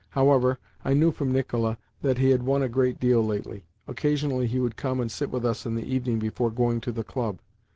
However, I knew from Nicola that he had won a great deal lately. Occasionally, he would come and sit with us in the evening before going to the club.